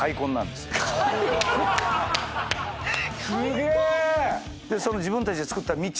すげえ！